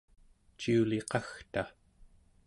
ciuliqagta